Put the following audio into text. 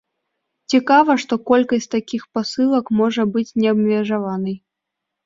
Цікава, што колькасць такіх пасылак можа быць неабмежаванай.